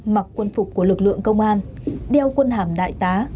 mặc quân phục của lực lượng công an đeo quân hàm đại tá